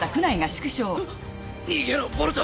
逃げろボルト。